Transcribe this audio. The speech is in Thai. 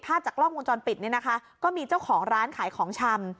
จากกล้องวงจรปิดเนี่ยนะคะก็มีเจ้าของร้านขายของชำ